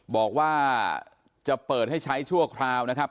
บอกว่าจะเปิดให้ใช้ชั่วคราวนะครับ